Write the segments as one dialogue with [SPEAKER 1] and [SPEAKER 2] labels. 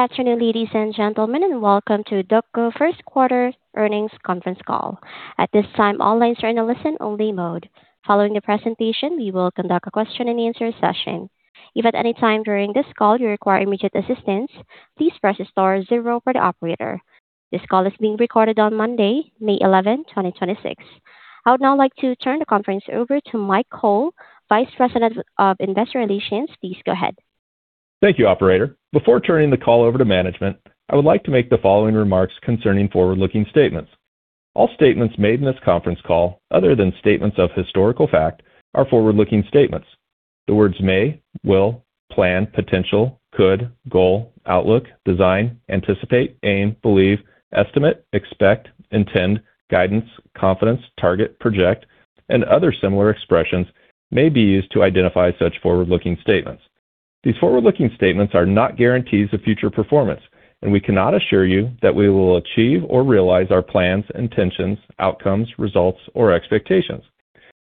[SPEAKER 1] Good afternoon, ladies and gentlemen, and welcome to DocGo First Quarter Earnings Conference Call. At this time, all lines are in a listen-only mode. Following the presentation, we will conduct a question and answer session. If at any time during this call you require immediate assistance, please press star zero for the operator. This call is being recorded on Monday, May 11, 2026. I would now like to turn the conference over to Mike Cole, Vice President of Investor Relations. Please go ahead.
[SPEAKER 2] Thank you, operator. Before turning the call over to management, I would like to make the following remarks concerning forward-looking statements. All statements made in this conference call, other than statements of historical fact, are forward-looking statements. The words may, will, plan, potential, could, goal, outlook, design, anticipate, aim, believe, estimate, expect, intend, guidance, confidence, target, project, and other similar expressions may be used to identify such forward-looking statements. These forward-looking statements are not guarantees of future performance, and we cannot assure you that we will achieve or realize our plans, intentions, outcomes, results, or expectations.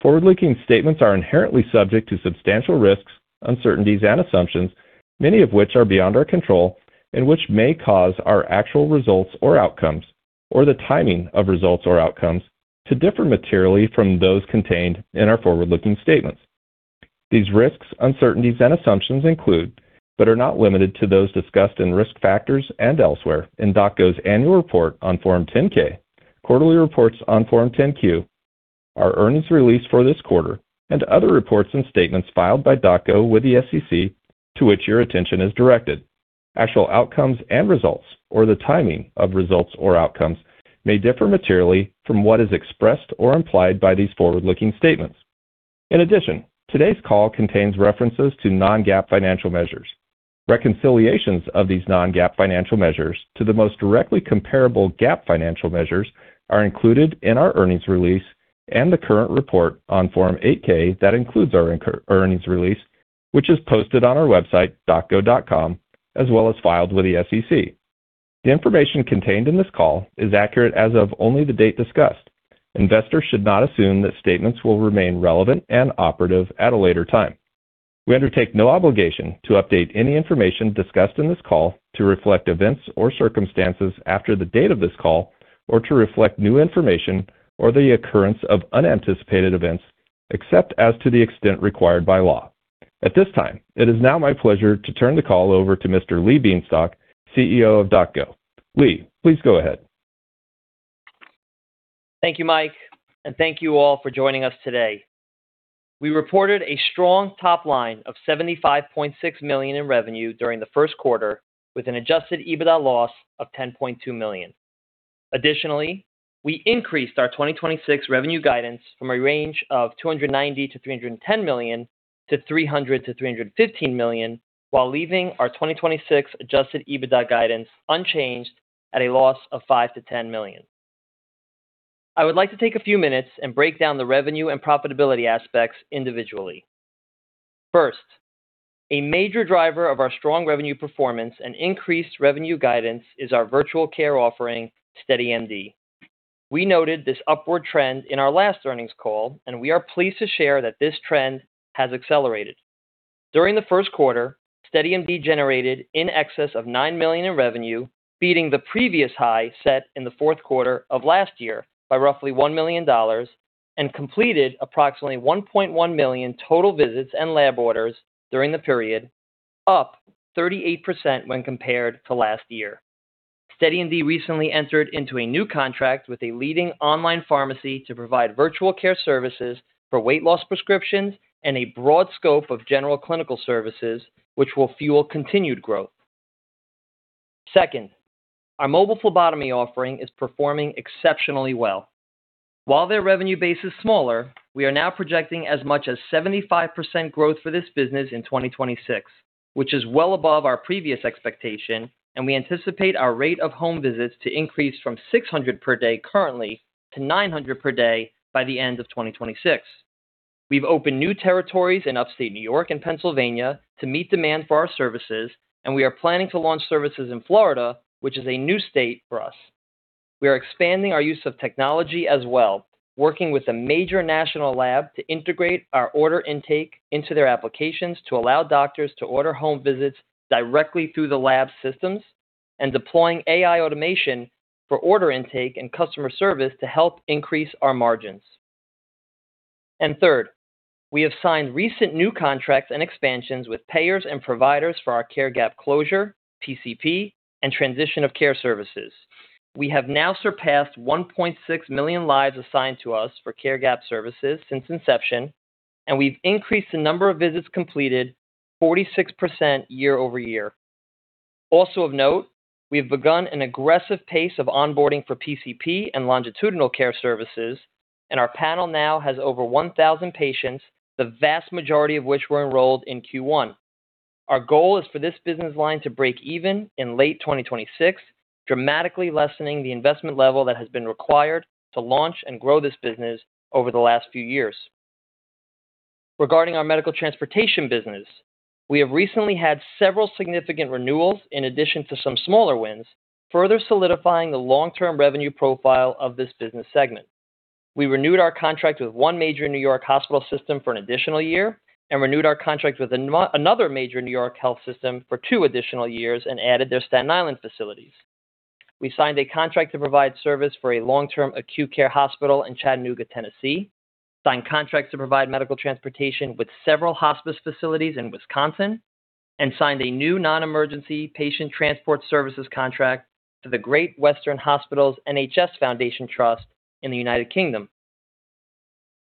[SPEAKER 2] Forward-looking statements are inherently subject to substantial risks, uncertainties, and assumptions, many of which are beyond our control and which may cause our actual results or outcomes, or the timing of results or outcomes, to differ materially from those contained in our forward-looking statements. These risks, uncertainties, and assumptions include, but are not limited to, those discussed in risk factors and elsewhere in DocGo's annual report on Form 10-K, quarterly reports on Form 10-Q, our earnings release for this quarter, and other reports and statements filed by DocGo with the SEC to which your attention is directed. Actual outcomes and results, or the timing of results or outcomes, may differ materially from what is expressed or implied by these forward-looking statements. In addition, today's call contains references to non-GAAP financial measures. Reconciliations of these non-GAAP financial measures to the most directly comparable GAAP financial measures are included in our earnings release and the current report on Form 8-K that includes our earnings release, which is posted on our website, docgo.com, as well as filed with the SEC. The information contained in this call is accurate as of only the date discussed. Investors should not assume that statements will remain relevant and operative at a later time. We undertake no obligation to update any information discussed in this call to reflect events or circumstances after the date of this call or to reflect new information or the occurrence of unanticipated events, except as to the extent required by law. At this time, it is now my pleasure to turn the call over to Mr. Lee Bienstock, CEO of DocGo. Lee, please go ahead.
[SPEAKER 3] Thank you, Mike, and thank you all for joining us today. We reported a strong top line of $75.6 million in revenue during the first quarter with an adjusted EBITDA loss of $10.2 million. Additionally, we increased our 2026 revenue guidance from a range of $290 million-$310 million to $300 million-$315 million while leaving our 2026 adjusted EBITDA guidance unchanged at a loss of $5 million-$10 million. I would like to take a few minutes and break down the revenue and profitability aspects individually. A major driver of our strong revenue performance and increased revenue guidance is our virtual care offering, SteadyMD. We noted this upward trend in our last earnings call, and we are pleased to share that this trend has accelerated. During the first quarter, SteadyMD generated in excess of $9 million in revenue, beating the previous high set in the fourth quarter of last year by roughly $1 million and completed approximately 1.1 million total visits and lab orders during the period, up 38% when compared to last year. SteadyMD recently entered into a new contract with a leading online pharmacy to provide virtual care services for weight loss prescriptions and a broad scope of general clinical services, which will fuel continued growth. Second, our mobile phlebotomy offering is performing exceptionally well. While their revenue base is smaller, we are now projecting as much as 75% growth for this business in 2026, which is well above our previous expectation. We anticipate our rate of home visits to increase from 600 per day currently to 900 per day by the end of 2026. We've opened new territories in Upstate New York and Pennsylvania to meet demand for our services. We are planning to launch services in Florida, which is a new state for us. We are expanding our use of technology as well, working with a major national lab to integrate our order intake into their applications to allow doctors to order home visits directly through the lab systems and deploying AI automation for order intake and customer service to help increase our margins. Third, we have signed recent new contracts and expansions with payers and providers for our care gap closure, PCP, and transition of care services. We have now surpassed 1.6 million lives assigned to us for care gap services since inception, and we've increased the number of visits completed 46% year-over-year. Also of note, we have begun an aggressive pace of onboarding for PCP and longitudinal care services, and our panel now has over 1,000 patients, the vast majority of which were enrolled in Q1. Our goal is for this business line to break even in late 2026, dramatically lessening the investment level that has been required to launch and grow this business over the last few years. Regarding our medical transportation business, we have recently had several significant renewals in addition to some smaller wins, further solidifying the long-term revenue profile of this business segment. We renewed our contract with one major New York hospital system for an additional year and renewed our contract with another major New York health system for two additional years and added their Staten Island facilities. We signed a contract to provide service for a long-term acute care hospital in Chattanooga, Tennessee, signed contracts to provide medical transportation with several hospice facilities in Wisconsin, and signed a new non-emergency patient transport services contract to the Great Western Hospitals NHS Foundation Trust in the United Kingdom.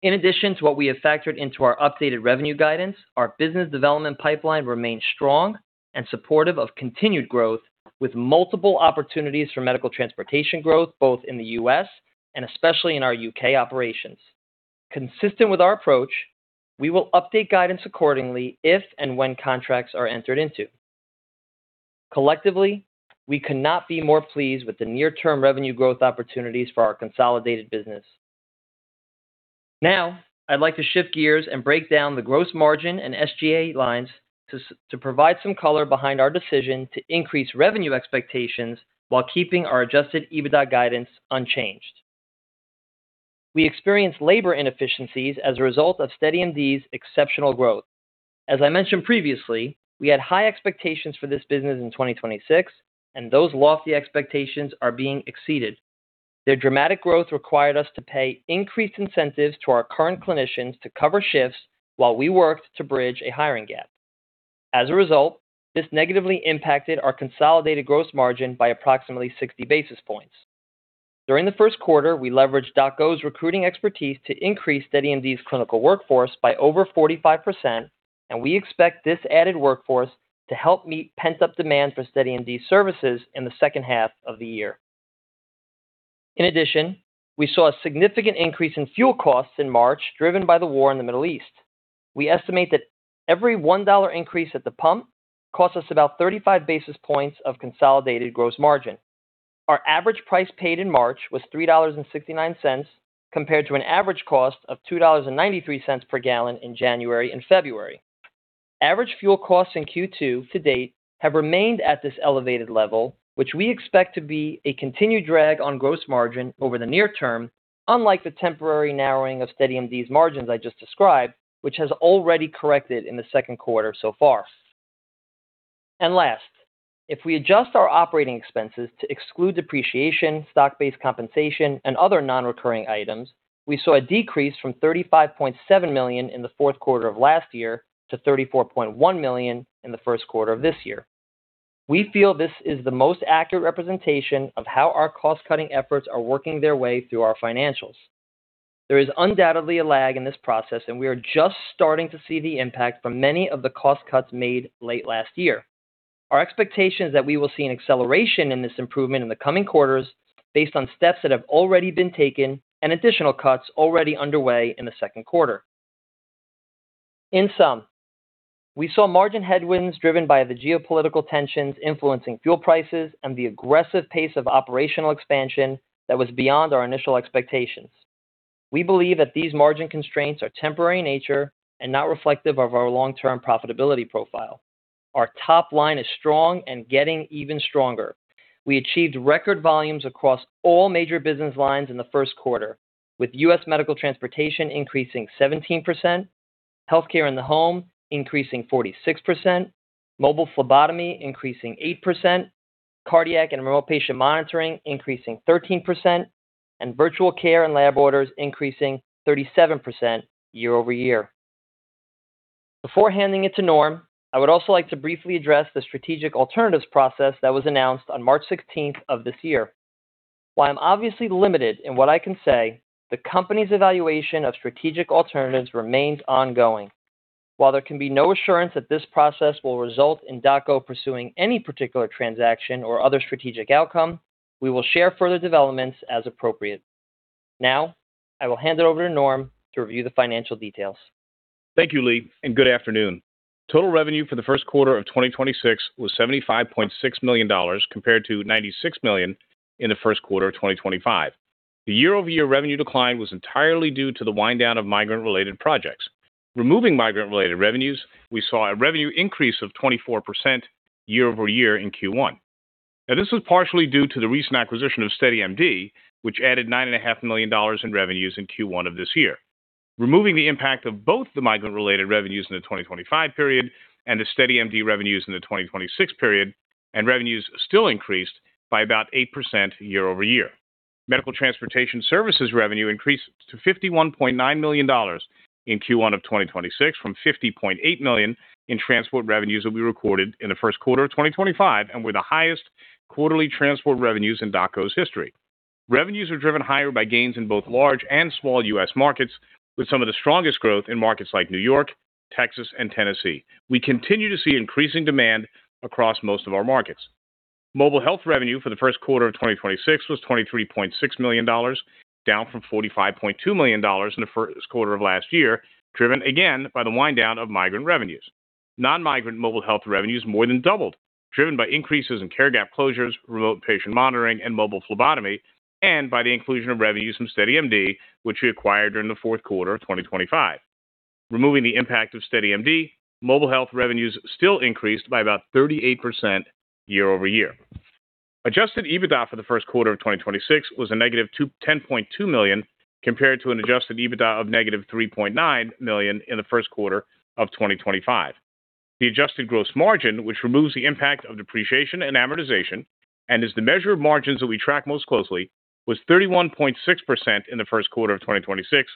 [SPEAKER 3] In addition to what we have factored into our updated revenue guidance, our business development pipeline remains strong and supportive of continued growth with multiple opportunities for medical transportation growth both in the U.S. and especially in our U.K. operations. Consistent with our approach, we will update guidance accordingly if and when contracts are entered into. Collectively, we could not be more pleased with the near-term revenue growth opportunities for our consolidated business. I'd like to shift gears and break down the gross margin and SG&A lines to provide some color behind our decision to increase revenue expectations while keeping our adjusted EBITDA guidance unchanged. We experienced labor inefficiencies as a result of SteadyMD's exceptional growth. As I mentioned previously, we had high expectations for this business in 2026, and those lofty expectations are being exceeded. Their dramatic growth required us to pay increased incentives to our current clinicians to cover shifts while we worked to bridge a hiring gap. As a result, this negatively impacted our consolidated gross margin by approximately 60 basis points. During the first quarter, we leveraged DocGo's recruiting expertise to increase SteadyMD's clinical workforce by over 45%, and we expect this added workforce to help meet pent-up demand for SteadyMD services in the second half of the year. In addition, we saw a significant increase in fuel costs in March driven by the war in the Middle East. We estimate that every $1 increase at the pump costs us about 35 basis points of consolidated gross margin. Our average price paid in March was $3.69 compared to an average cost of $2.93 per gallon in January and February. Average fuel costs in Q2 to date have remained at this elevated level, which we expect to be a continued drag on gross margin over the near term, unlike the temporary narrowing of SteadyMD's margins I just described, which has already corrected in the second quarter so far. Last, if we adjust our operating expenses to exclude depreciation, stock-based compensation, and other non-recurring items, we saw a decrease from $35.7 million in the fourth quarter of last year to $34.1 million in the first quarter of this year. We feel this is the most accurate representation of how our cost-cutting efforts are working their way through our financials. There is undoubtedly a lag in this process, and we are just starting to see the impact from many of the cost cuts made late last year. Our expectation is that we will see an acceleration in this improvement in the coming quarters based on steps that have already been taken and additional cuts already underway in the second quarter. In sum, we saw margin headwinds driven by the geopolitical tensions influencing fuel prices and the aggressive pace of operational expansion that was beyond our initial expectations. We believe that these margin constraints are temporary in nature and not reflective of our long-term profitability profile. Our top line is strong and getting even stronger. We achieved record volumes across all major business lines in the first quarter, with U.S. medical transportation increasing 17%, healthcare in the home increasing 46%, mobile phlebotomy increasing 8%, cardiac and remote patient monitoring increasing 13%, and virtual care and lab orders increasing 37% year-over-year. Before handing it to Norm, I would also like to briefly address the strategic alternatives process that was announced on March 16th of this year. While I'm obviously limited in what I can say, the company's evaluation of strategic alternatives remains ongoing. While there can be no assurance that this process will result in DocGo pursuing any particular transaction or other strategic outcome, we will share further developments as appropriate. Now, I will hand it over to Norm to review the financial details.
[SPEAKER 4] Thank you, Lee, and good afternoon. Total revenue for the first quarter of 2026 was $75.6 million compared to $96 million in the first quarter of 2025. The year-over-year revenue decline was entirely due to the wind down of migrant-related projects. Removing migrant-related revenues, we saw a revenue increase of 24% year-over-year in Q1. This was partially due to the recent acquisition of SteadyMD, which added a 9.5 million dollars in revenues in Q1 of this year. Removing the impact of both the migrant-related revenues in the 2025 period and the SteadyMD revenues in the 2026 period, revenues still increased by about 8% year-over-year. Medical transportation services revenue increased to $51.9 million in Q1 of 2026 from $50.8 million in transport revenues that we recorded in the first quarter of 2025 and were the highest quarterly transport revenues in DocGo's history. Revenues were driven higher by gains in both large and small U.S. markets with some of the strongest growth in markets like New York, Texas, and Tennessee. We continue to see increasing demand across most of our markets. Mobile health revenue for the first quarter of 2026 was $23.6 million, down from $45.2 million in the first quarter of last year, driven again by the wind down of migrant revenues. Non-migrant mobile health revenues more than doubled, driven by increases in care gap closures, remote patient monitoring, and mobile phlebotomy, and by the inclusion of revenues from SteadyMD, which we acquired during the fourth quarter of 2025. Removing the impact of SteadyMD, mobile health revenues still increased by about 38% year-over-year. Adjusted EBITDA for the first quarter of 2026 was a negative $10.2 million compared to an adjusted EBITDA of negative $3.9 million in the first quarter of 2025. The adjusted gross margin, which removes the impact of depreciation and amortization and is the measure of margins that we track most closely, was 31.6% in the first quarter of 2026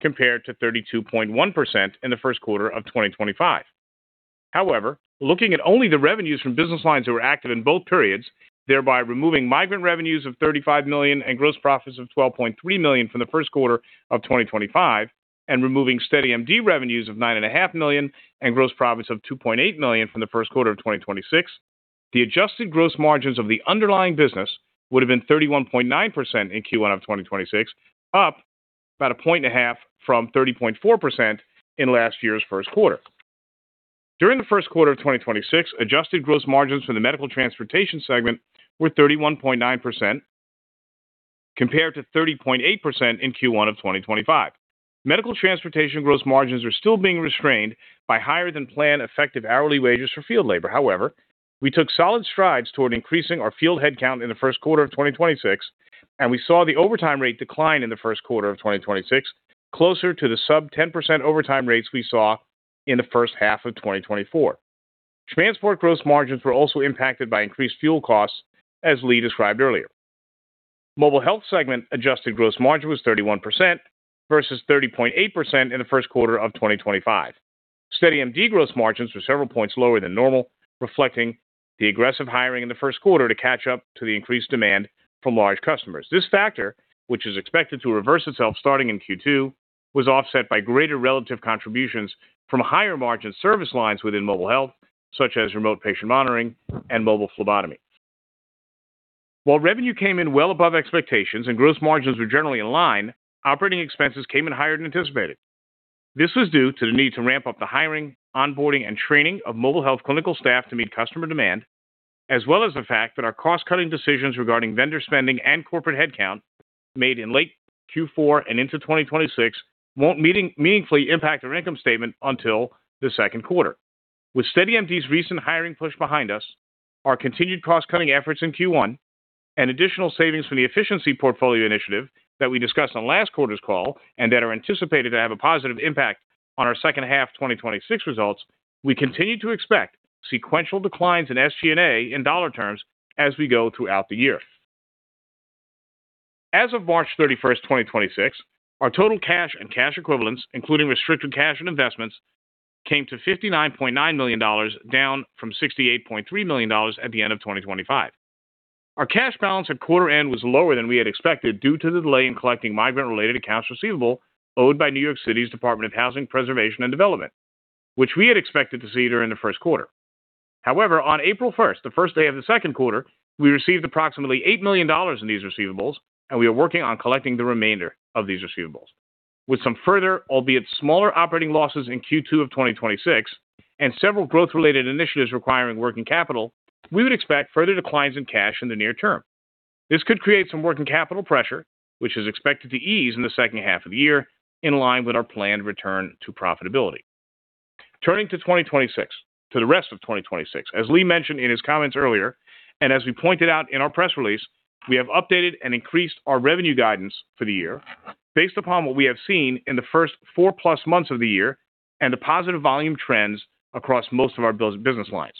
[SPEAKER 4] compared to 32.1% in the first quarter of 2025. Looking at only the revenues from business lines that were active in both periods, thereby removing migrant revenues of $35 million and gross profits of $12.3 million from the first quarter of 2025 and removing SteadyMD revenues of $9.5 million and gross profits of $2.8 million from the first quarter of 2026, the adjusted gross margins of the underlying business would have been 31.9% in Q1 2026, up about a 0.5 from 30.4% in last year's first quarter. During the first quarter of 2026, adjusted gross margins for the medical transportation segment were 31.9% compared to 30.8% in Q1 2025. Medical transportation gross margins are still being restrained by higher-than-planned effective hourly wages for field labor. However, we took solid strides toward increasing our field headcount in the first quarter of 2026, and we saw the overtime rate decline in the first quarter of 2026, closer to the sub 10% overtime rates we saw in the first half of 2024. Transport gross margins were also impacted by increased fuel costs, as Lee described earlier. Mobile health segment adjusted gross margin was 31% versus 30.8% in the first quarter of 2025. SteadyMD gross margins were several points lower than normal, reflecting the aggressive hiring in the first quarter to catch up to the increased demand from large customers. This factor, which is expected to reverse itself starting in Q2, was offset by greater relative contributions from higher-margin service lines within mobile health, such as remote patient monitoring and mobile phlebotomy. While revenue came in well above expectations and gross margins were generally in line, operating expenses came in higher than anticipated. This was due to the need to ramp up the hiring, onboarding, and training of mobile health clinical staff to meet customer demand, as well as the fact that our cost-cutting decisions regarding vendor spending and corporate headcount made in late Q4 and into 2026 won't meaningfully impact our income statement until the second quarter. With SteadyMD's recent hiring push behind us, our continued cost-cutting efforts in Q1 and additional savings from the efficiency portfolio initiative that we discussed on last quarter's call and that are anticipated to have a positive impact on our second-half 2026 results, we continue to expect sequential declines in SG&A in dollar terms as we go throughout the year. As of March 31, 2026, our total cash and cash equivalents, including restricted cash and investments, came to $59.9 million, down from $68.3 million at the end of 2025. Our cash balance at quarter end was lower than we had expected due to the delay in collecting migrant-related accounts receivable owed by New York City Department of Housing Preservation and Development, which we had expected to see during the first quarter. However, on April 1st, the first day of the second quarter, we received approximately $8 million in these receivables, and we are working on collecting the remainder of these receivables. With some further, albeit smaller, operating losses in Q2 of 2026 and several growth-related initiatives requiring working capital, we would expect further declines in cash in the near term. This could create some working capital pressure, which is expected to ease in the second half of the year in line with our planned return to profitability. Turning to the rest of 2026. As Lee mentioned in his comments earlier, and as we pointed out in our press release, we have updated and increased our revenue guidance for the year based upon what we have seen in the first four-plus months of the year and the positive volume trends across most of our business lines.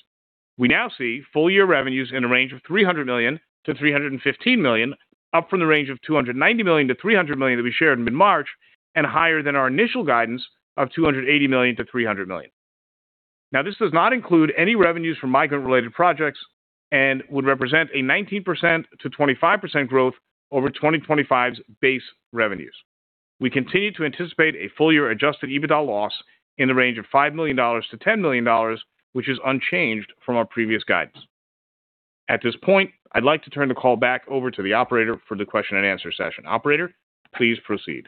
[SPEAKER 4] We now see full-year revenues in a range of $300 million-$315 million, up from the range of $290 million-$300 million that we shared in mid-March and higher than our initial guidance of $280 million-$300 million. This does not include any revenues from migrant-related projects and would represent a 19%-25% growth over 2025's base revenues. We continue to anticipate a full-year adjusted EBITDA loss in the range of $5 million-$10 million, which is unchanged from our previous guidance. At this point, I'd like to turn the call back over to the operator for the question and answer session. Operator, please proceed.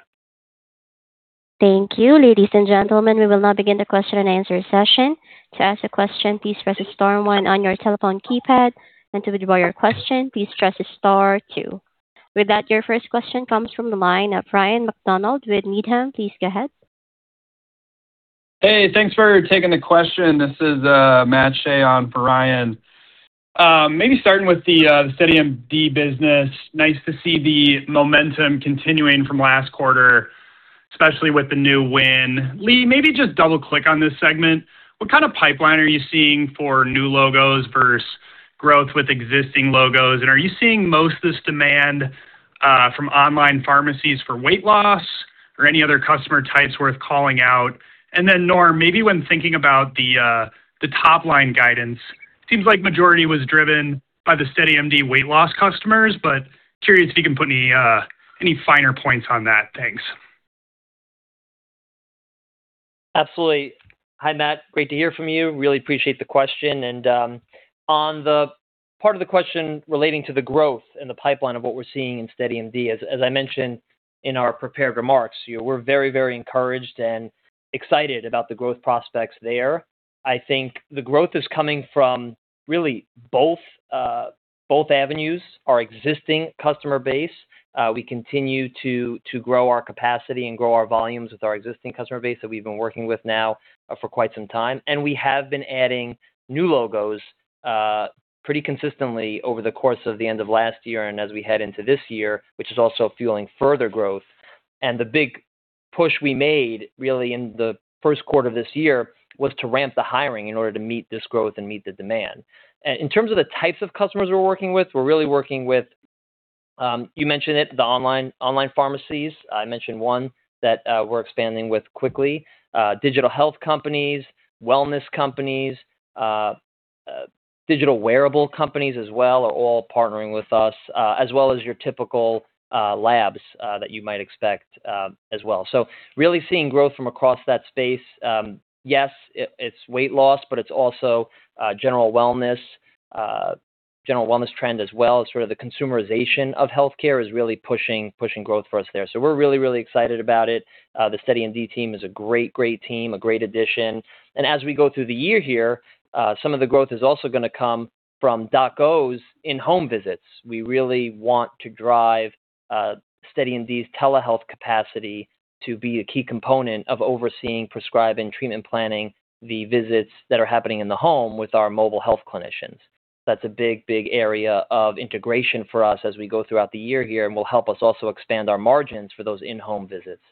[SPEAKER 1] Thank you. Ladies and gentlemen, we will now begin the question and answer session. To ask a question, please press star one on your telephone keypad. To withdraw your question, please press star two. With that, your first question comes from the line of Ryan MacDonald with Needham. Please go ahead.
[SPEAKER 5] Hey, thanks for taking the question. This is Matthew Shea on for Ryan. Maybe starting with the SteadyMD business. Nice to see the momentum continuing from last quarter, especially with the new win. Lee, maybe just double-click on this segment. What kind of pipeline are you seeing for new logos versus growth with existing logos? Are you seeing most of this demand from online pharmacies for weight loss or any other customer types worth calling out? Norm, maybe when thinking about the top-line guidance, seems like majority was driven by the SteadyMD weight loss customers, but curious if you can put any finer points on that. Thanks.
[SPEAKER 3] Absolutely. Hi, Matt. Great to hear from you. Really appreciate the question. On the part of the question relating to the growth and the pipeline of what we're seeing in SteadyMD, as I mentioned in our prepared remarks, you know, we're very, very encouraged and excited about the growth prospects there. I think the growth is coming from really both avenues. Our existing customer base, we continue to grow our capacity and grow our volumes with our existing customer base that we've been working with now for quite some time. We have been adding new logos pretty consistently over the course of the end of last year and as we head into this year, which is also fueling further growth. The big push we made really in the first quarter of this year was to ramp the hiring in order to meet this growth and meet the demand. In terms of the types of customers we're working with, we're really working with, you mentioned it, the online pharmacies. I mentioned one that we're expanding with quickly. Digital health companies, wellness companies, digital wearable companies as well are all partnering with us, as well as your typical labs that you might expect as well. Really seeing growth from across that space. Yes, it's weight loss, but it's also general wellness. General wellness trend as well as sort of the consumerization of healthcare is really pushing growth for us there. We're really excited about it. The SteadyMD team is a great team, a great addition. As we go through the year here, some of the growth is also gonna come from DocGo's in-home visits. We really want to drive SteadyMD's telehealth capacity to be a key component of overseeing, prescribing, treatment planning the visits that are happening in the home with our mobile health clinicians. That's a big, big area of integration for us as we go throughout the year here and will help us also expand our margins for those in-home visits.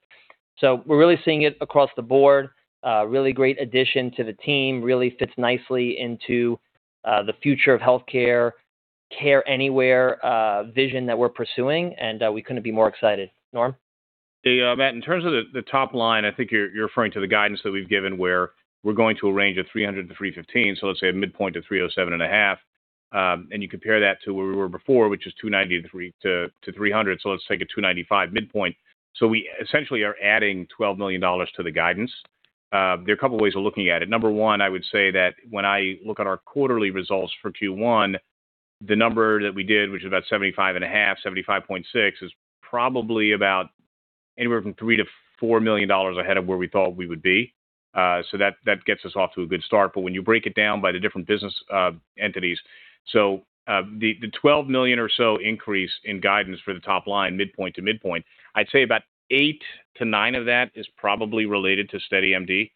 [SPEAKER 3] We're really seeing it across the board. Really great addition to the team, really fits nicely into the future of healthcare, care anywhere vision that we're pursuing, and we couldn't be more excited. Norm?
[SPEAKER 4] Yeah, Matt, in terms of the top line, I think you're referring to the guidance that we've given where we're going to a range of 300 to 315, so let's say a midpoint of 307.5. You compare that to where we were before, which was 290 to 300, so let's take a 295 midpoint. We essentially are adding $12 million to the guidance. There are a couple ways of looking at it. Number one, I would say that when I look at our quarterly results for Q1, the number that we did, which is about 75.5, 75.6, is probably about anywhere from $3 million-$4 million ahead of where we thought we would be. That, that gets us off to a good start. When you break it down by the different business entities, the $12 million or so increase in guidance for the top line, midpoint to midpoint, I'd say about $8 million-$9 million of that is probably related to SteadyMD.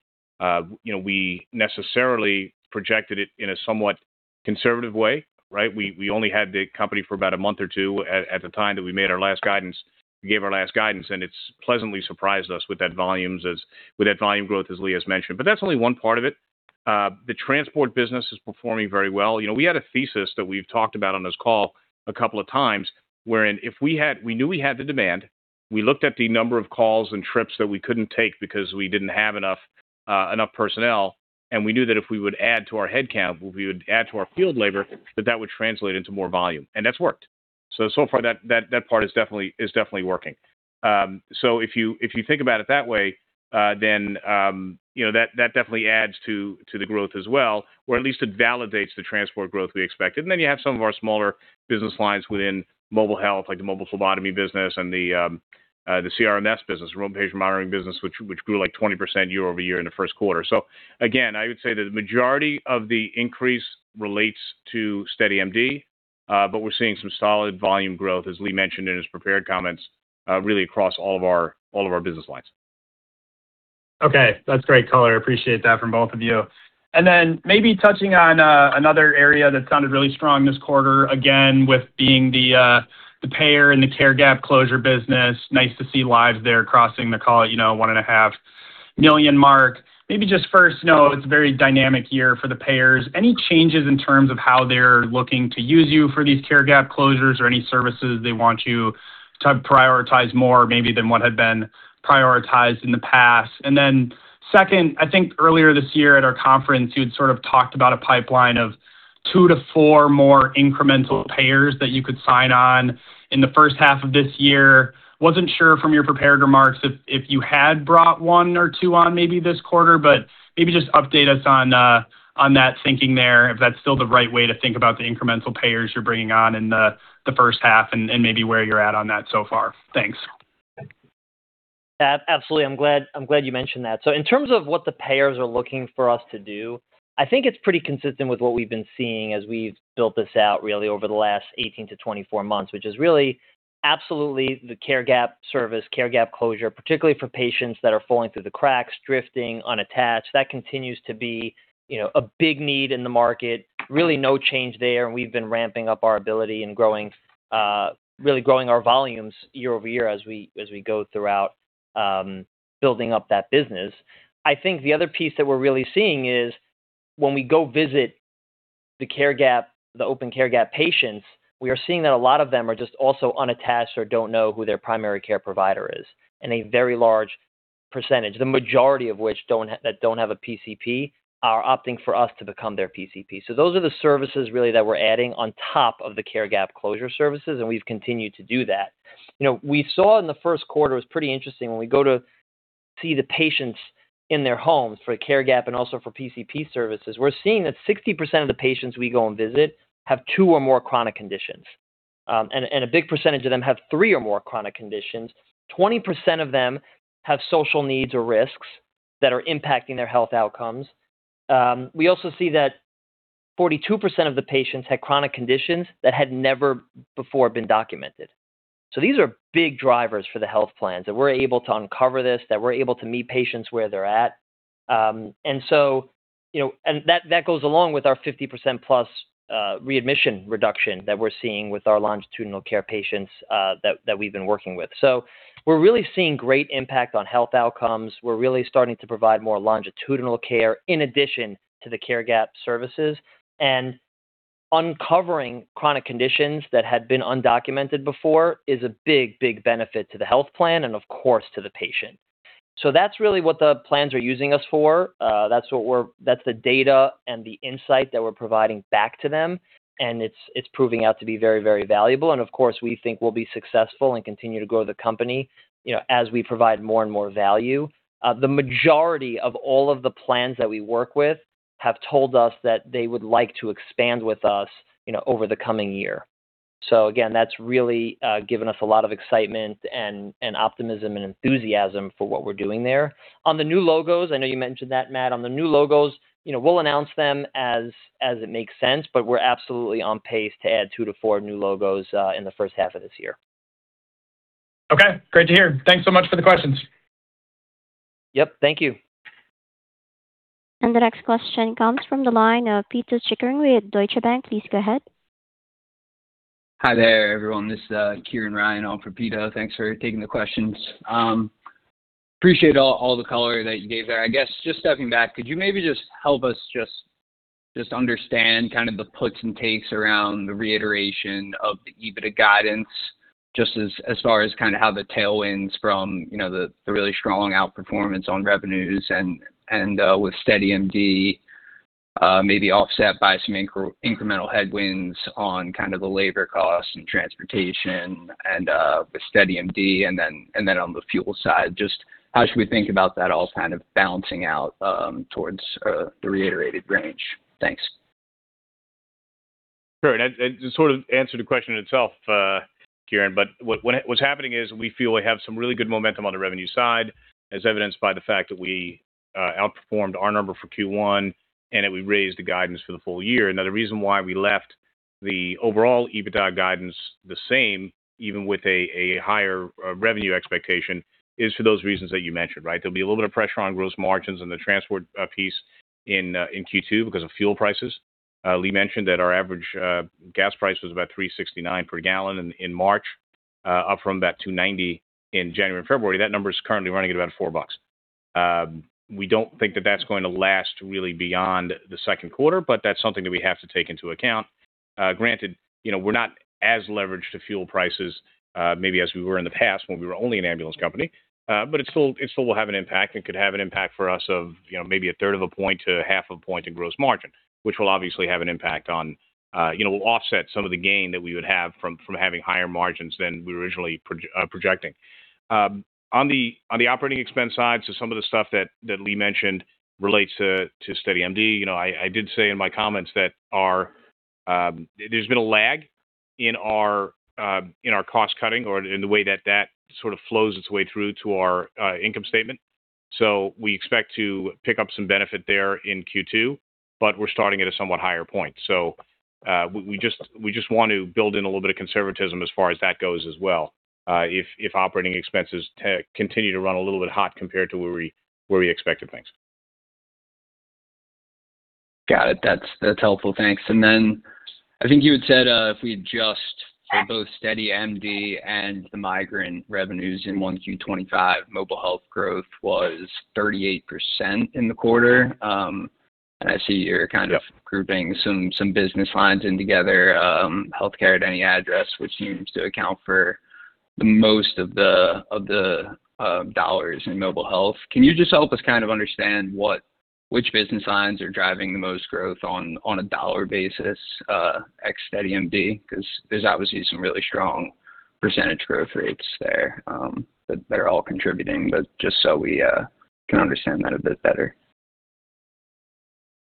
[SPEAKER 4] We necessarily projected it in a somewhat conservative way, right? We only had the company for about a month or two at the time that we gave our last guidance, and it's pleasantly surprised us with that volume growth, as Lee has mentioned. That's only one part of it. The transport business is performing very well. You know, we had a thesis that we've talked about on this call a couple of times wherein if we knew we had the demand. We looked at the number of calls and trips that we couldn't take because we didn't have enough personnel, and we knew that if we would add to our headcount, if we would add to our field labor, that would translate into more volume, and that's worked. So far that part is definitely working. If you think about it that way, you know, that definitely adds to the growth as well, or at least it validates the transport growth we expected. You have some of our smaller business lines within mobile health, like the mobile phlebotomy business and the RPM business, remote patient monitoring business, which grew like 20% year-over-year in the first quarter. Again, I would say that the majority of the increase relates to SteadyMD, but we're seeing some solid volume growth, as Lee mentioned in his prepared comments, really across all of our business lines.
[SPEAKER 5] Okay. That's great color. I appreciate that from both of you. Maybe touching on another area that sounded really strong this quarter, again, with being the payer and the care gap closure business. Nice to see lives there crossing the, you know, 1.5 million mark. I know it's a very dynamic year for the payers. Any changes in terms of how they're looking to use you for these care gap closures or any services they want you to prioritize more maybe than what had been prioritized in the past? Second, I think earlier this year at our conference, you'd sort of talked about a pipeline of two to four more incremental payers that you could sign on in the first half of this year. Wasn't sure from your prepared remarks if you had brought one or two on maybe this quarter, but maybe just update us on that thinking there, if that's still the right way to think about the incremental payers you're bringing on in the first half and maybe where you're at on that so far. Thanks.
[SPEAKER 3] Yeah, absolutely. I'm glad you mentioned that. In terms of what the payers are looking for us to do, I think it's pretty consistent with what we've been seeing as we've built this out really over the last 18 to 24 months, which is really absolutely the care gap service, care gap closure, particularly for patients that are falling through the cracks, drifting, unattached. That continues to be, you know, a big need in the market. Really no change there, and we've been ramping up our ability and growing our volumes year-over-year as we go throughout building up that business. I think the other piece that we're really seeing is when we go visit the care gap, the open care gap patients, we are seeing that a lot of them are just also unattached or don't know who their primary care provider is. A very large percentage, the majority of which that don't have a PCP, are opting for us to become their PCP. Those are the services really that we're adding on top of the care gap closure services, and we've continued to do that. You know, we saw in the first quarter, it was pretty interesting, when we go to see the patients in their homes for care gap and also for PCP services, we're seeing that 60% of the patients we go and visit have two or more chronic conditions. A big percentage of them have three or more chronic conditions. 20% of them have social needs or risks that are impacting their health outcomes. We also see that 42% of the patients had chronic conditions that had never before been documented. These are big drivers for the health plans. That we're able to uncover this, that we're able to meet patients where they're at. You know, that goes along with our 50%+ readmission reduction that we're seeing with our longitudinal care patients that we've been working with. We're really seeing great impact on health outcomes. We're really starting to provide more longitudinal care in addition to the care gap services. Uncovering chronic conditions that had been undocumented before is a big, big benefit to the health plan and of course to the patient. That's really what the plans are using us for. That's the data and the insight that we're providing back to them, and it's proving out to be very, very valuable. Of course, we think we'll be successful and continue to grow the company, you know, as we provide more and more value. The majority of all of the plans that we work with have told us that they would like to expand with us, you know, over the coming year. Again, that's really given us a lot of excitement and optimism and enthusiasm for what we're doing there. On the new logos, I know you mentioned that, Matt. On the new logos, you know, we'll announce them as it makes sense, but we're absolutely on pace to add two to four new logos in the first half of this year.
[SPEAKER 5] Okay, great to hear. Thanks so much for the questions.
[SPEAKER 3] Yep, thank you.
[SPEAKER 1] The next question comes from the line of Pito Chickering with Deutsche Bank. Please go ahead.
[SPEAKER 6] Hi there, everyone. This is Kieran Ryan on for Pito. Thanks for taking the questions. Appreciate all the color that you gave there. I guess just stepping back, could you maybe just help us just understand kind of the puts and takes around the reiteration of the EBITDA guidance, as far as kind of how the tailwinds from, you know, the really strong outperformance on revenues and with SteadyMD, maybe offset by some incremental headwinds on kind of the labor costs and transportation and with SteadyMD and then on the fuel side. Just how should we think about that all kind of balancing out towards the reiterated range? Thanks.
[SPEAKER 4] Sure. To sort of answer the question itself, Kieran, what's happening is we feel we have some really good momentum on the revenue side, as evidenced by the fact that we outperformed our number for Q1 and that we raised the guidance for the full year. The reason why we left the overall EBITDA guidance the same, even with a higher revenue expectation, is for those reasons that you mentioned, right? There'll be a little bit of pressure on gross margins and the transport piece in Q2 because of fuel prices. Lee mentioned that our average gas price was about $3.69 per gallon in March, up from about $2.90 in January and February. That number is currently running at about $4. We don't think that that's going to last really beyond the second quarter, but that's something that we have to take into account. Granted, you know, we're not as leveraged to fuel prices, maybe as we were in the past when we were only an ambulance company. But it still will have an impact and could have an impact for us of, you know, maybe a third of a point to half a point in gross margin, which will obviously have an impact on, you know, will offset some of the gain that we would have from having higher margins than we were originally projecting. On the, on the operating expense side, some of the stuff that Lee mentioned relates to SteadyMD. You know, I did say in my comments that our, there's been a lag in our cost-cutting or in the way that that sort of flows its way through to our income statement. We expect to pick up some benefit there in Q2, but we're starting at a somewhat higher point. We just want to build in a little bit of conservatism as far as that goes as well, if operating expenses continue to run a little bit hot compared to where we expected things.
[SPEAKER 6] Got it. That's helpful. Thanks. I think you had said, if we adjust for both SteadyMD and the Migrant revenues in 1Q 2025, mobile health growth was 38% in the quarter. I see you're kind of grouping some business lines in together, healthcare at any address, which seems to account for the most of the dollars in mobile health. Can you just help us kind of understand which business lines are driving the most growth on a dollar basis, ex SteadyMD? 'Cause there's obviously some really strong percentage growth rates there that are all contributing, but just so we can understand that a bit better.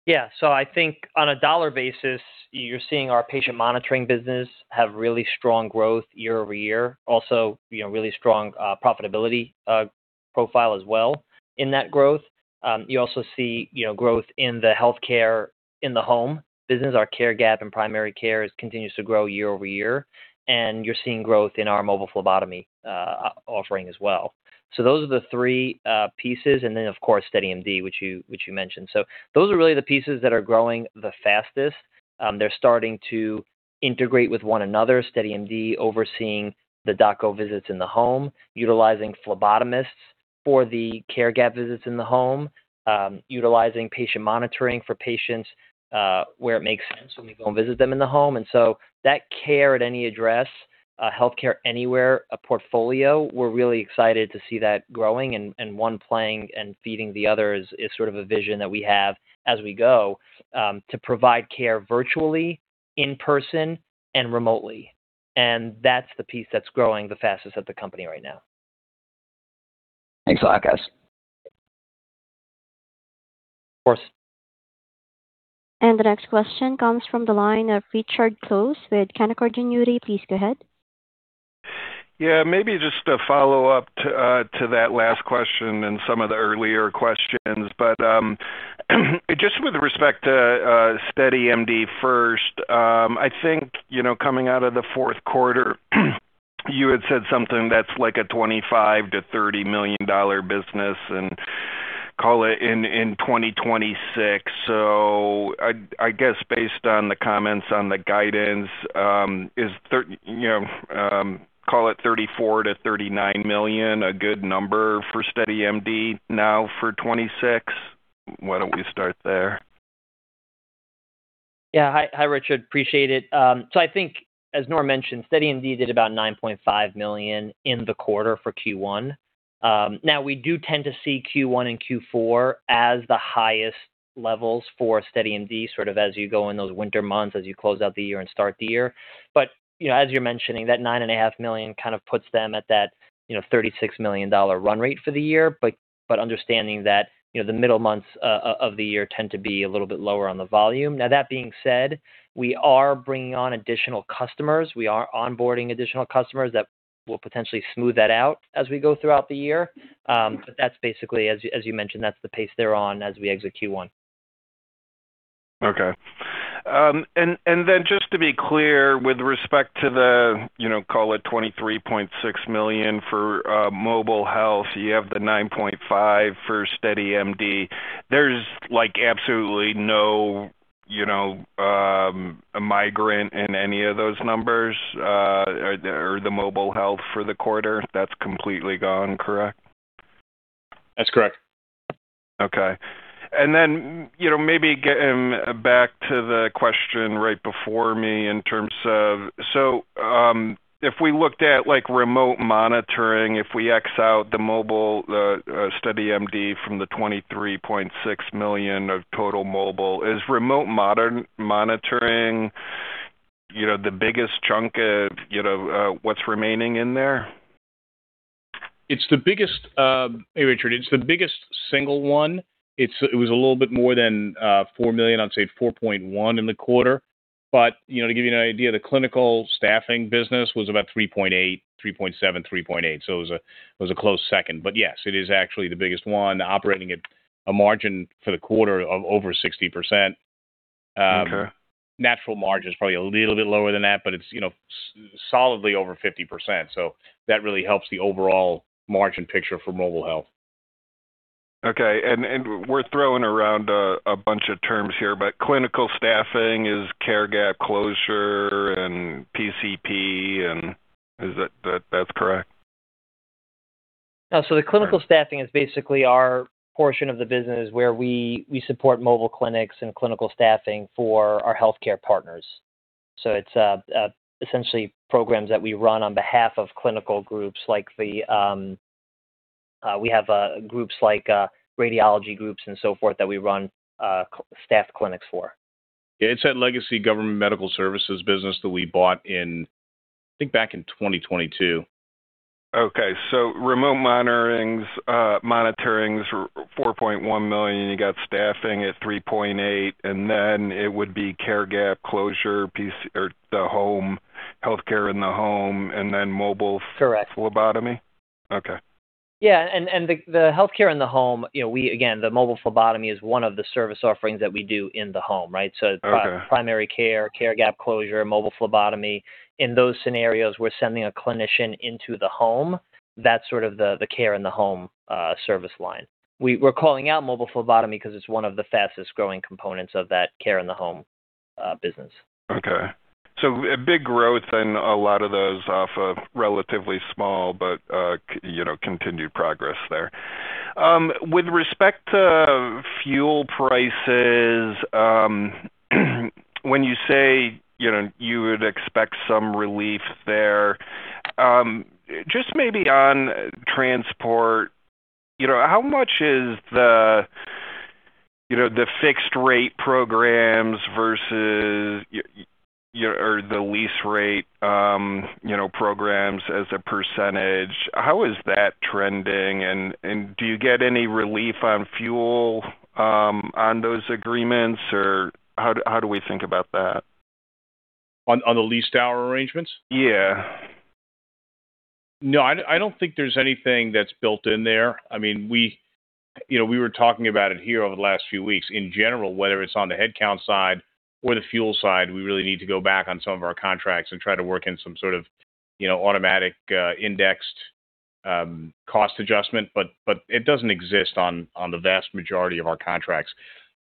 [SPEAKER 3] Yeah. I think on a dollar basis, you're seeing our patient monitoring business have really strong growth year-over-year. Also, you know, really strong profitability profile as well in that growth. You also see, you know, growth in the healthcare in the home business. Our care gap and primary care is continues to grow year-over-year, and you're seeing growth in our mobile phlebotomy offering as well. Those are the three pieces, and then of course, SteadyMD, which you mentioned. Those are really the pieces that are growing the fastest. They're starting to integrate with one another. SteadyMD overseeing the DocGo visits in the home, utilizing phlebotomists for the care gap visits in the home, utilizing patient monitoring for patients where it makes sense when we go and visit them in the home. That care at any address, healthcare anywhere portfolio, we're really excited to see that growing and one playing and feeding the other is sort of a vision that we have as we go to provide care virtually, in person and remotely. That's the piece that's growing the fastest at the company right now.
[SPEAKER 6] Thanks a lot, guys.
[SPEAKER 3] Of course.
[SPEAKER 1] The next question comes from the line of Richard Close with Canaccord Genuity. Please go ahead.
[SPEAKER 7] Maybe just a follow-up to that last question and some of the earlier questions. Just with respect to SteadyMD first, I think, you know, coming out of the fourth quarter, you had said something that's like a $25 million-$30 million business and call it in 2026. I guess based on the comments on the guidance, you know, call it $34 million-$39 million a good number for SteadyMD now for 2026? Why don't we start there?
[SPEAKER 3] Yeah. Hi, hi Richard. Appreciate it. I think as Norm mentioned, SteadyMD did about $9.5 million in the quarter for Q1. We do tend to see Q1 and Q4 as the highest levels for SteadyMD, sort of as you go in those winter months, as you close out the year and start the year. You know, as you're mentioning, that $9.5 million kind of puts them at that, you know, $36 million run rate for the year. Understanding that, you know, the middle months of the year tend to be a little bit lower on the volume. That being said, we are bringing on additional customers. We are onboarding additional customers that will potentially smooth that out as we go throughout the year. That's basically as you mentioned, that's the pace they're on as we exit Q1.
[SPEAKER 7] Okay. Then just to be clear, with respect to the, you know, call it $23.6 million for mobile health, you have the $9.5 million for SteadyMD. There's like absolutely no, you know, migrant in any of those numbers, or the, or the mobile health for the quarter. That's completely gone, correct?
[SPEAKER 4] That's correct.
[SPEAKER 7] Okay. Then, you know, maybe get back to the question right before me in terms of, if we looked at like remote monitoring, if we X out the mobile SteadyMD from the $23.6 million of total mobile, is remote monitoring, you know, the biggest chunk of, you know, what's remaining in there?
[SPEAKER 4] Hey, Richard. It's the biggest single one. It was a little bit more than $4 million, I'd say $4.1 in the quarter. You know, to give you an idea, the clinical staffing business was about $3.8, $3.7, $3.8. It was a close second. Yes, it is actually the biggest one operating at a margin for the quarter of over 60%.
[SPEAKER 7] Okay.
[SPEAKER 4] Natural margin is probably a little bit lower than that, but it's, you know, solidly over 50%, so that really helps the overall margin picture for mobile health.
[SPEAKER 7] Okay. We're throwing around a bunch of terms here, but clinical staffing is care gap closure and PCP, is that correct?
[SPEAKER 3] The clinical staffing is basically our portion of the business where we support mobile clinics and clinical staffing for our healthcare partners. It's essentially programs that we run on behalf of clinical groups like. We have groups like radiology groups and so forth that we run staffed clinics for.
[SPEAKER 4] Yeah. It's that legacy government medical services business that we bought in, I think back in 2022.
[SPEAKER 7] Okay. Remote monitorings, $4.1 million. You got staffing at $3.8 million, it would be care gap closure piece or the home, healthcare in the home mobile.
[SPEAKER 3] Correct.
[SPEAKER 7] Phlebotomy? Okay.
[SPEAKER 3] Yeah. The healthcare in the home, you know, we again, the mobile phlebotomy is one of the service offerings that we do in the home, right?
[SPEAKER 7] Okay.
[SPEAKER 3] Primary care gap closure, mobile phlebotomy. In those scenarios, we're sending a clinician into the home. That's sort of the care in the home service line. We're calling out mobile phlebotomy ’cause it's one of the fastest-growing components of that care in the home business.
[SPEAKER 7] Okay. A big growth in a lot of those off of relatively small, but, you know, continued progress there. With respect to fuel prices, when you say, you know, you would expect some relief there, just maybe on transport, you know, how much is the, you know, the fixed rate programs versus or the lease rate, you know, programs as a percentage? How is that trending? Do you get any relief on fuel, on those agreements, or how do we think about that?
[SPEAKER 4] On the leased hour arrangements?
[SPEAKER 7] Yeah.
[SPEAKER 4] No, I don't think there's anything that's built in there. I mean, we were talking about it here over the last few weeks. In general, whether it's on the headcount side or the fuel side, we really need to go back on some of our contracts and try to work in some sort of, you know, automatic, indexed cost adjustment, but it doesn't exist on the vast majority of our contracts.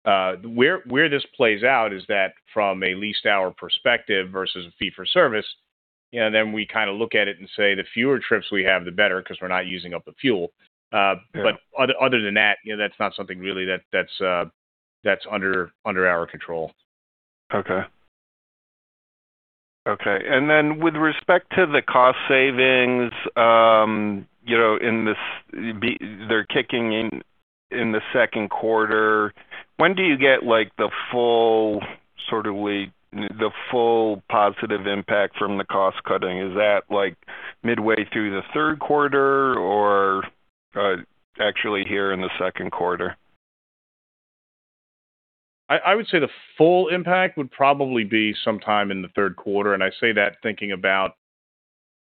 [SPEAKER 4] Where this plays out is that from a leased hour perspective versus a fee for service, you know, then we kind of look at it and say, the fewer trips we have, the better, 'cause we're not using up the fuel. Other than that, you know, that's not something really that's under our control.
[SPEAKER 7] Okay. Okay. Then with respect to the cost savings, you know, in this they're kicking in the second quarter. When do you get like the full, sort of like the full positive impact from the cost-cutting? Is that like midway through the third quarter or actually here in the second quarter?
[SPEAKER 4] I would say the full impact would probably be sometime in the third quarter. I say that thinking about,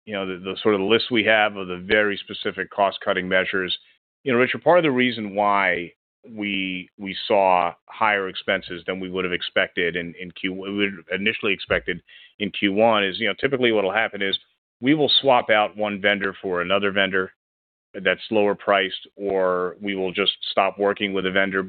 [SPEAKER 4] you know, the sort of list we have of the very specific cost-cutting measures. You know, Richard, part of the reason why we saw higher expenses than we would have expected, we initially expected in Q1 is, you know, typically what'll happen is we will swap out one vendor for another vendor that's lower priced, or we will just stop working with a vendor.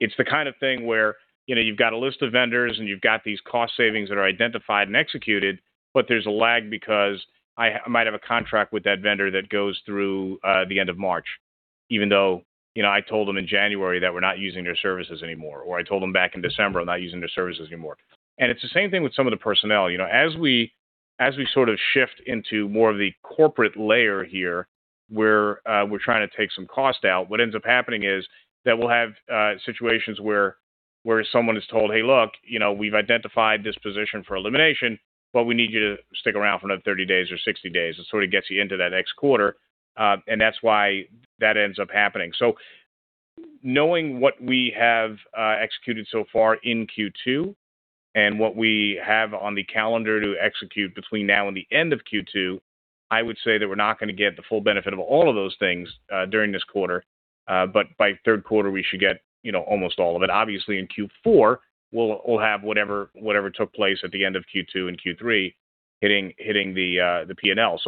[SPEAKER 4] It's the kind of thing where, you know, you've got a list of vendors and you've got these cost savings that are identified and executed, but there's a lag because I might have a contract with that vendor that goes through the end of March, even though, you know, I told them in January that we're not using their services anymore, or I told them back in December, I'm not using their services anymore. It's the same thing with some of the personnel. You know, as we sort of shift into more of the corporate layer here, where we're trying to take some cost out, what ends up happening is that we'll have situations where someone is told, "Hey, look, you know, we've identified this position for elimination, but we need you to stick around for another 30 days or 60 days." It sort of gets you into that next quarter, and that's why that ends up happening. Knowing what we have executed so far in Q2 and what we have on the calendar to execute between now and the end of Q2, I would say that we're not gonna get the full benefit of all of those things during this quarter. But by third quarter, we should get, you know, almost all of it. Obviously, in Q4, we'll have whatever took place at the end of Q2 and Q3 hitting the P&L.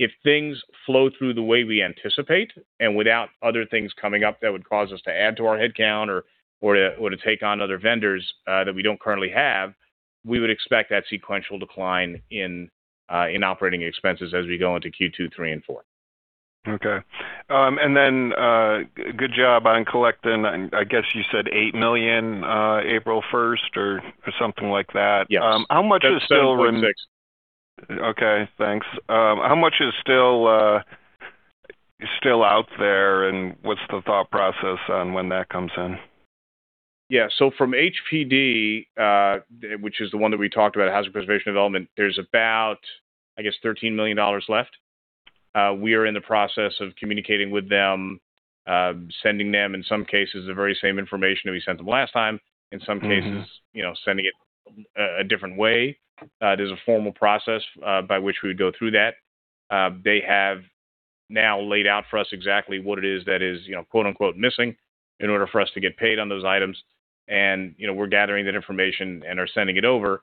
[SPEAKER 4] If things flow through the way we anticipate and without other things coming up that would cause us to add to our headcount or to take on other vendors that we don't currently have, we would expect that sequential decline in operating expenses as we go into Q2, three and four.
[SPEAKER 7] Okay. Good job on collecting, I guess you said $8 million, April 1st or something like that.
[SPEAKER 4] Yes.
[SPEAKER 7] How much is still?
[SPEAKER 4] 10.6.
[SPEAKER 7] Okay, thanks. How much is still out there, and what's the thought process on when that comes in?
[SPEAKER 4] Yeah. From HPD, which is the one that we talked about, Housing Preservation Development, there's about, I guess, $13 million left. We are in the process of communicating with them, sending them, in some cases, the very same information that we sent them last time. In some cases, you know, sending it a different way. There's a formal process by which we would go through that. They have now laid out for us exactly what it is that is, you know, quote-unquote, missing in order for us to get paid on those items. We're gathering that information and are sending it over.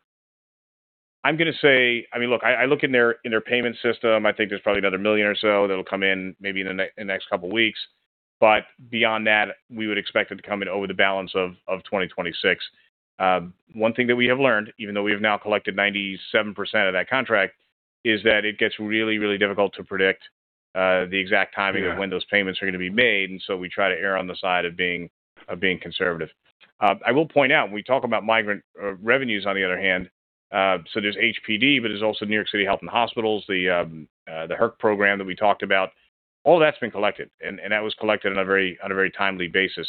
[SPEAKER 4] I'm gonna say I mean, look, I look in their payment system. I think there's probably another $1 million or so that'll come in maybe in the next couple of weeks. Beyond that, we would expect it to come in over the balance of 2026. One thing that we have learned, even though we have now collected 97% of that contract, is that it gets really difficult to predict the exact timing.
[SPEAKER 7] Yeah.
[SPEAKER 4] Of when those payments are gonna be made, we try to err on the side of being conservative. I will point out, when we talk about migrant revenues on the other hand, so there's HPD, but there's also NYC Health + Hospitals, the HERRC program that we talked about. All that's been collected, and that was collected on a very timely basis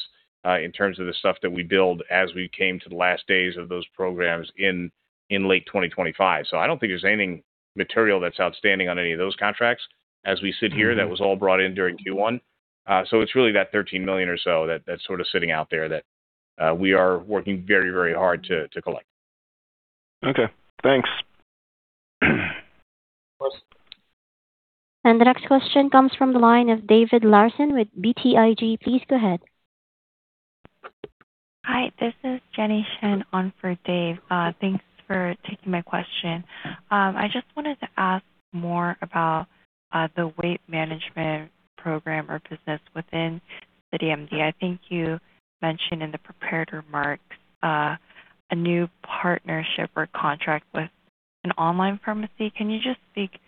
[SPEAKER 4] in terms of the stuff that we build as we came to the last days of those programs in late 2025. I don't think there's any material that's outstanding on any of those contracts. As we sit here, that was all brought in during Q1. It's really that $13 million or so that's sort of sitting out there that we are working very, very hard to collect.
[SPEAKER 7] Okay, thanks.
[SPEAKER 4] Of course.
[SPEAKER 1] The next question comes from the line of David Larsen with BTIG. Please go ahead.
[SPEAKER 8] Hi, this is Jenny Shen on for Dave. Thanks for taking my question. I just wanted to ask more about the weight management program or business within SteadyMD. I think you mentioned in the prepared remarks, a new partnership or contract with an online pharmacy. Can you just speak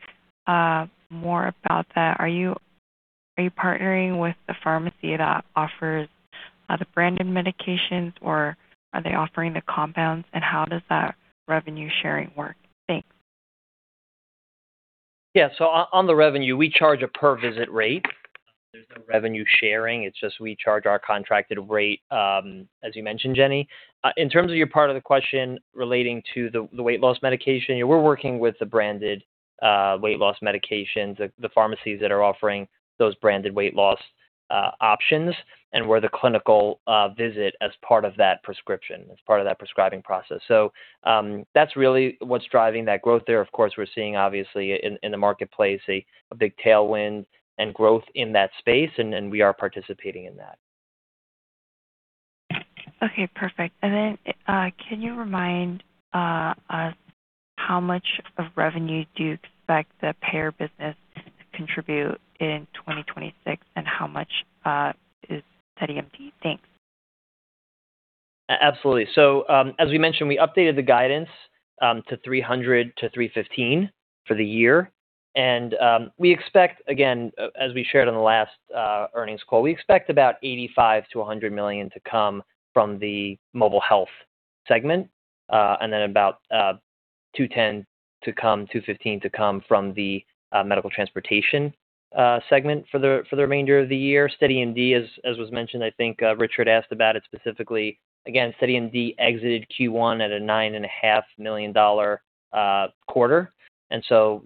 [SPEAKER 8] more about that? Are you partnering with the pharmacy that offers the branded medications, or are they offering the compounds, and how does that revenue sharing work? Thanks.
[SPEAKER 3] Yeah. On the revenue, we charge a per visit rate. There's no revenue sharing. It's just we charge our contracted rate, as you mentioned, Jenny. In terms of your part of the question relating to the weight loss medication, we're working with the branded weight loss medications, the pharmacies that are offering those branded weight loss options and we're the clinical visit as part of that prescription, as part of that prescribing process. That's really what's driving that growth there. Of course, we're seeing obviously in the marketplace a big tailwind and growth in that space and we are participating in that.
[SPEAKER 8] Okay, perfect. Then, can you remind us how much of revenue do you expect the payer business to contribute in 2026 and how much is SteadyMD? Thanks.
[SPEAKER 3] Absolutely. As we mentioned, we updated the guidance to $300 million-$315 million for the year. We expect, again, as we shared on the last earnings call, we expect about $85 million-$100 million to come from the mobile health segment, and then about $210 million-$215 million to come from the medical transportation segment for the remainder of the year. SteadyMD, as was mentioned, I think Richard asked about it specifically. Again, SteadyMD exited Q1 at a $9.5 million quarter, and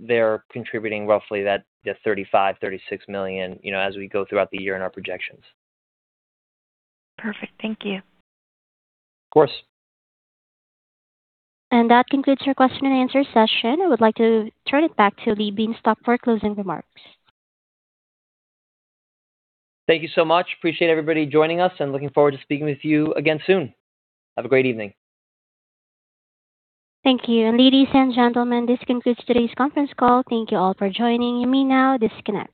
[SPEAKER 3] they're contributing roughly that $35 million-$36 million, you know, as we go throughout the year in our projections.
[SPEAKER 8] Perfect. Thank you.
[SPEAKER 3] Of course.
[SPEAKER 1] That concludes your question and answer session. I would like to turn it back to Lee Bienstock for closing remarks.
[SPEAKER 3] Thank you so much. Appreciate everybody joining us, and looking forward to speaking with you again soon. Have a great evening.
[SPEAKER 1] Thank you. Ladies and gentlemen, this concludes today's conference call. Thank you all for joining. You may now disconnect.